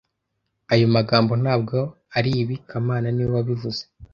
Ayo magambo ntabwo aribi kamana niwe wabivuze